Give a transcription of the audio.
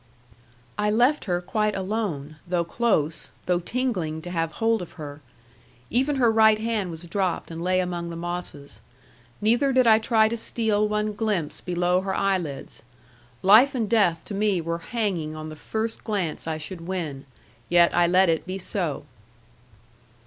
I left her quite alone; though close, though tingling to have hold of her. Even her right hand was dropped and lay among the mosses. Neither did I try to steal one glimpse below her eyelids. Life and death to me were hanging on the first glance I should win; yet I let it be so.